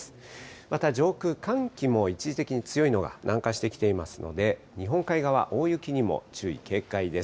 また上空、寒気も一時的に強いのが南下してきていますので、日本海側、大雪にも注意、警戒です。